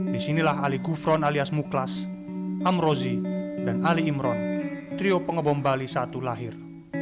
di sini lah ali kufron alias muklas am rosi dan ali imron trio pengebom bali satu lahir